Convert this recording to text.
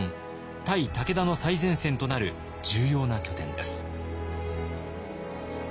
対武田の最前線となる重要な拠点です。